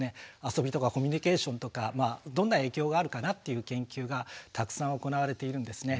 遊びとかコミュニケーションとかどんな影響があるかなっていう研究がたくさん行われているんですね。